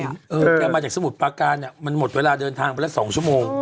แกมาจากสมุทรปาการมันหมดเวลาเดินทางไปละ๒ชั่วโมง